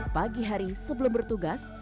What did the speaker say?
pagi hari sebelum bertugas